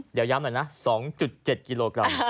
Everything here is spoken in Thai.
เดี๋ยวย้ำหน่อยนะ๒๗กิโลกรัม